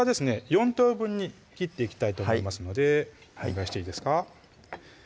４等分に切っていきたいと思いますのでお願いしていいですか？